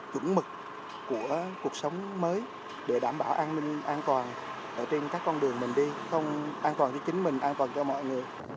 chuẩn mực của cuộc sống mới để đảm bảo an ninh an toàn ở trên các con đường mình đi không an toàn cho chính mình an toàn cho mọi người